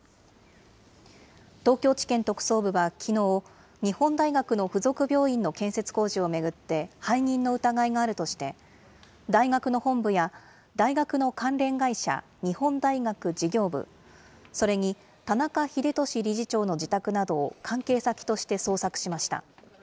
東京地検特捜部はきのう、日本大学の付属病院の建設工事を巡って、背任の疑いがあるとして、大学の本部や大学の関連会社、日本大学事業部、それに田中英壽理事長の自宅などを、関係先として捜索しました。